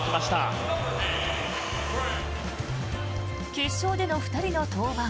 決勝での２人の登板。